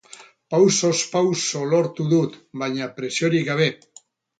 Pausoz pauso lortu dut, baina presiorik gabe.